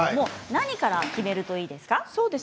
何から決めるといいですか。